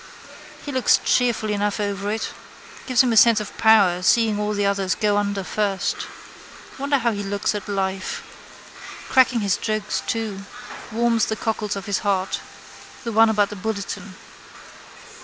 He looks cheerful enough over it. Gives him a sense of power seeing all the others go under first. Wonder how he looks at life. Cracking his jokes too: warms the cockles of his heart. The one about the bulletin.